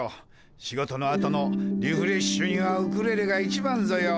仕事のあとのリフレッシュにはウクレレが一番ぞよ。